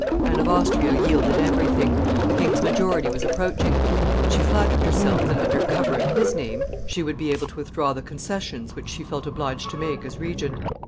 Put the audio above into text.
Anne of Austria yielded everything; the king's majority was approaching, and she flattered herself that under cover of his name she would be able to withdraw the concessions which she felt obliged to make as regent.